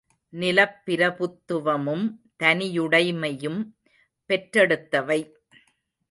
நிலப் பிரபுத்துவமும் தனியுடைமையும் பெற்றெடுத்தவை.